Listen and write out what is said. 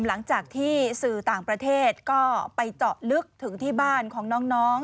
หลังจากที่สื่อต่างประเทศก็ไปเจาะลึกถึงที่บ้านของน้อง